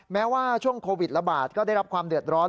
แม้ว่าช่วงโควิดระบาดก็ได้รับความเดือดร้อน